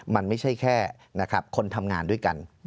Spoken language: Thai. มันไม่ใช่แค่นะครับคนทำงานด้วยกัน